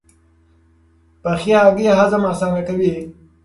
پخې هګۍ هضم اسانه کوي.